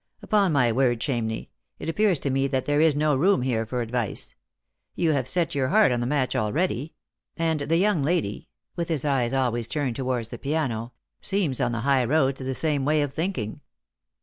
Upon my word, Chamney, it appears to me that there is no room here for advice. You have set your heart on the match already ; and the young lady," with his eyes always turned towards the piano, " seems on the high road to the same way of thinking."